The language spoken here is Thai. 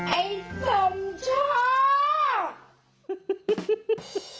ไอ้สมโชค